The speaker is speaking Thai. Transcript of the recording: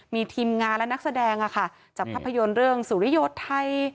มีทีมงานและนักแสดงจับภาพยนตร์เรื่องสุริโยธไทย